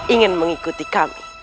ingin mengikuti kami